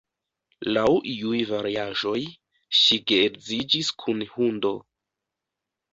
Laŭ iuj variaĵoj, ŝi geedziĝis kun hundo.